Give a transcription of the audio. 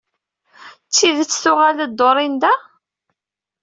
D tidett tuɣal-d Dorenda?